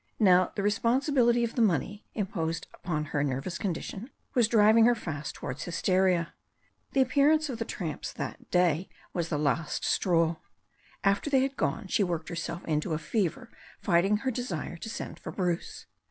Now the responsibility of the money imposed upon her nervous condition was driving her fast toward hysteria. The appearance of the tramps that 8i 82 THE STORY OF A NEW ZEALAND RIVER day was the last straw. After they had gone she worked herself into a fever fighting her desire to send for Bruce.